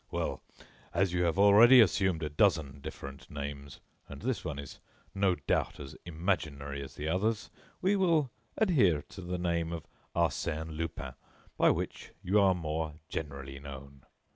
Well, as you have already assumed a dozen different names and this one is, no doubt, as imaginary as the others, we will adhere to the name of Arsène Lupin, by which you are more generally known."